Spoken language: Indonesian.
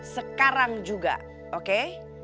sekarang juga oke